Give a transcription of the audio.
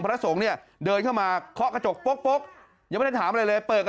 พระสงฆ์เนี่ยเดินเข้ามาเคาะกระจกโป๊กยังไม่ได้ถามอะไรเลยเปิด